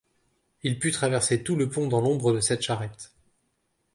Il put traverser tout le pont dans l’ombre de cette charrette.